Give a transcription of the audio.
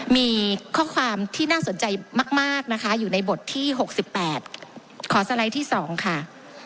มีข้อความที่น่าสนใจมากนะคะอยู่ในบทที่๖๘ขอสไลด์ที่๒ค่ะ